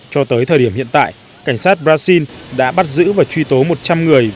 cho tới thời điểm hiện tại cảnh sát brazil đã bắt giữ và truy tố một trăm linh người vì tội nghiệp